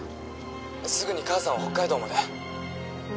すぐに母さんを北海道まで。